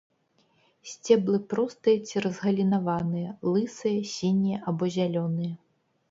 Сцеблы простыя ці разгалінаваныя, лысыя, сінія або зялёныя.